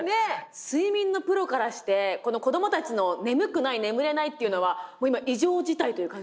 睡眠のプロからして子どもたちの眠くない眠れないっていうのはもう今異常事態という感じです？